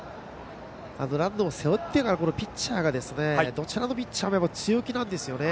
ランナーを背負ってからピッチャーがどちらのピッチャーも強気なんですよね。